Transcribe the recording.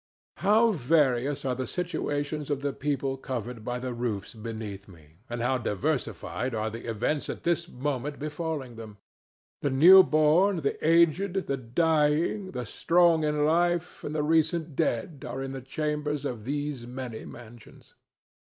How various are the situations of the people covered by the roofs beneath me, and how diversified are the events at this moment befalling them! The new born, the aged, the dying, the strong in life and the recent dead are in the chambers of these many mansions.